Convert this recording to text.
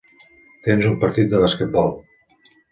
Tens un partit de basquetbol.